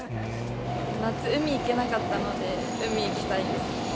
夏、海行けなかったので、海行きたいです。